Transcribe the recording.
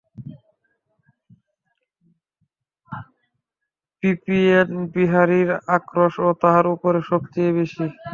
বিপিনবিহারীর আক্রোশও তাহার উপরে সব চেয়ে বেশি।